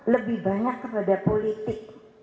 lebih banyak kepada politik